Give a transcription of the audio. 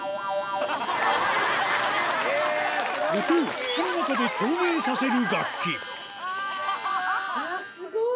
音を口の中で共鳴させる楽器うわぁスゴい。